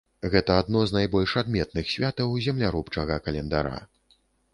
Гэта адно з найбольш адметных святаў земляробчага календара.